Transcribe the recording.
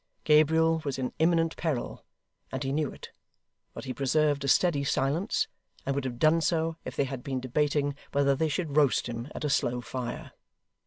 Gabriel was in imminent peril, and he knew it; but he preserved a steady silence; and would have done so, if they had been debating whether they should roast him at a slow fire.